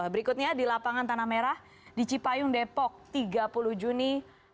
berikutnya di lapangan tanah merah di cipayung depok tiga puluh juni dua ribu dua puluh